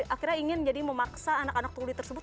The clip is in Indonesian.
akhirnya ingin jadi memaksa anak anak tuli tersebut